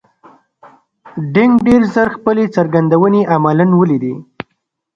دینګ ډېر ژر خپلې څرګندونې عملاً ولیدې.